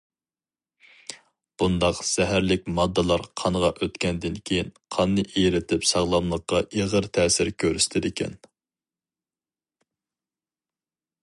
بۇنداق زەھەرلىك ماددىلار قانغا ئۆتكەندىن كېيىن، قاننى ئېرىتىپ ساغلاملىققا ئېغىر تەسىر كۆرسىتىدىكەن.